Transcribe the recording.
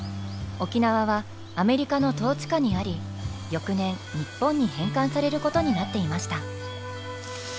沖縄はアメリカの統治下にあり翌年日本に返還されることになっていました。